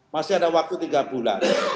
masih ada waktu tiga bulan